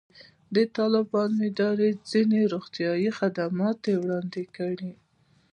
د طالبانو ادارې ځینې روغتیایي خدمات وړاندې کړي.